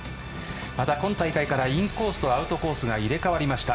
また、今大会からインコースとアウトコースが入れ替わりました。